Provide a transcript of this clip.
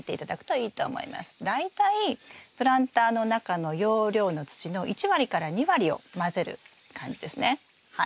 大体プランターの中の容量の土の１割から２割を混ぜる感じですねはい。